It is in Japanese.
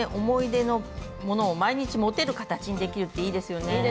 思い出のものを毎日持てる形にできるっていいですよね。